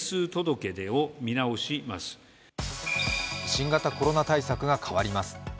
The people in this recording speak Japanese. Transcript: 新型コロナ対策が変わります。